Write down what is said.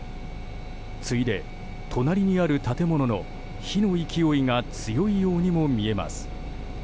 次いで隣にある建物の火の勢いが強いようにも見えます。